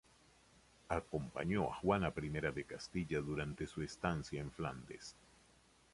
Acompañó a Juana I de Castilla durante su estancia en Flandes.